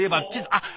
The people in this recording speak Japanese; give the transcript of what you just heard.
あっ！